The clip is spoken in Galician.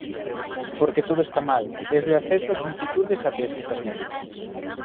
Porque todo está mal, desde o acceso a solicitudes até as citas médicas.